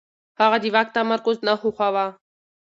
هغه د واک تمرکز نه خوښاوه.